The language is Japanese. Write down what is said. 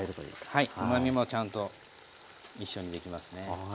はいうまみもちゃんと一緒にできますね。